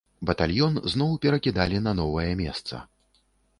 Батальён зноў перакідалі на новае месца.